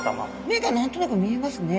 目が何となく見えますね。